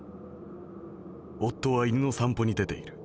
夫は犬の散歩に出ている。